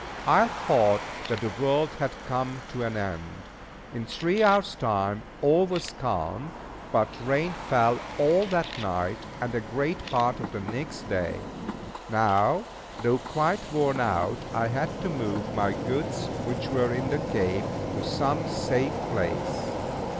I thought that the world had come to an end. In three hours' time all was calm; but rain fell all that night, and a great part of the next day. Now, though quite worn out, I had to move my goods which were in the cave, to some safe place.